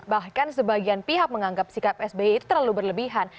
bahkan sebagian pihak menganggap sikap sby terlalu berlebihan